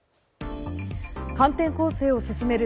反転攻勢を進める